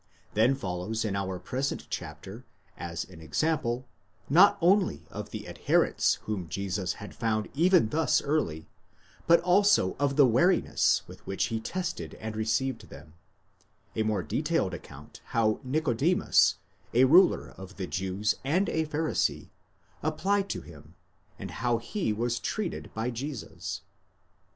Then follows in our present chapter, as an example, not only of the adherents whom Jesus had found even thus early, but also of the wariness with which he tested and received them, a more detailed account how Nicodemus, a ruler of the Jews and a Pharisee, applied to him, and how he was treated by Jesus.